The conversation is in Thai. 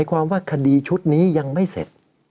ความว่าคดีชุดนี้ยังไม่เสร็จ